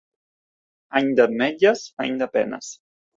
Any d'ametlles, any de penes.